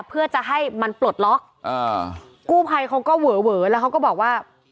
เพื่อจะให้มันปลดล็อกอ่ากู้ภัยเขาก็เวอแล้วเขาก็บอกว่า